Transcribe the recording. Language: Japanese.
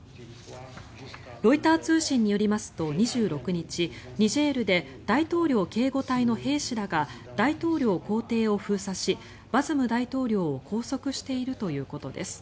ロイター通信によりますと２６日、ニジェールで大統領警護隊の兵士らが大統領公邸を封鎖しバズム大統領を拘束しているということです。